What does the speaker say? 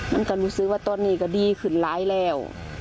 มันก็รู้สึกว่าตอนนี้ก็ดีขึ้นร้ายแล้ว